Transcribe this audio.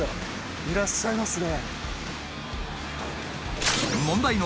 いらっしゃいますね。